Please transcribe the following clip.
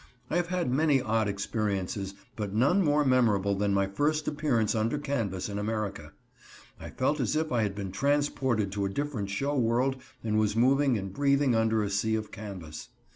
I have had many odd experiences, but none more memorable than my first appearance under canvas in America. I felt as if I had been transported to a different show world and was moving and breathing under a sea of canvas.